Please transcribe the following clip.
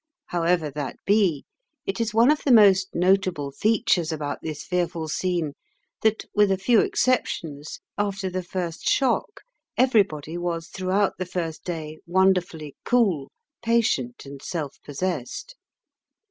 However that be, it is one of the most notable features about this fearful scene that, with a few exceptions, after the first shock everybody was throughout the first day wonderfully cool, patient, and self possessed.